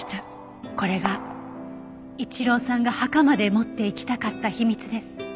これが一郎さんが墓まで持っていきたかった秘密です。